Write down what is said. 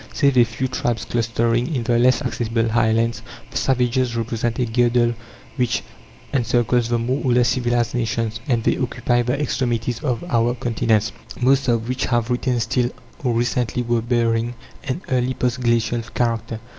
Save a few tribes clustering in the less accessible highlands, the "savages" represent a girdle which encircles the more or less civilized nations, and they occupy the extremities of our continents, most of which have retained still, or recently were bearing, an early post glacial character.